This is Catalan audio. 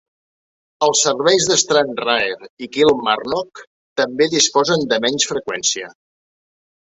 Els serveis a Stranraer i Kilmarnock també disposen de menys freqüència.